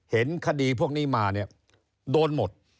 เห็นคดีพวกนี้มาเนี่ยโดนหมด